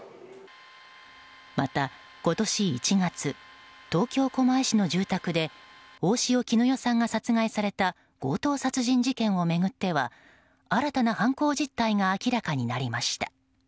また、今年１月東京・狛江市の住宅で大塩衣与さんが殺害された強盗殺人事件を巡っては新たな犯行実態が明らかになりました。